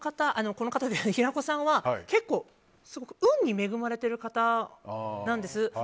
平子さんは結構運に恵まれている方なんです。